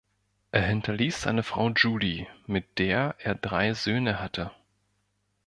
Er hinterließ seine Frau Julie, mit der er drei Söhne hatte.